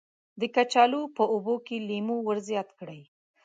د کچالو په اوبو کې لیمو ور زیات کړئ.